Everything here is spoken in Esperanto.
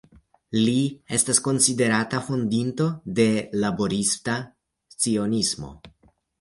Li estas konsiderata fondinto de Laborista Cionismo.